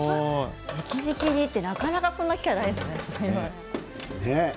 じきじきにってなかなかこの機会ないですよね。